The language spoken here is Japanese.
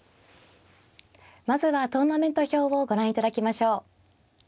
まずはトーナメント表をご覧いただきましょう。